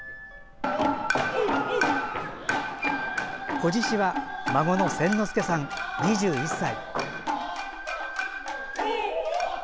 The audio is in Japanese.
子獅子は孫の千之助さん、２１歳。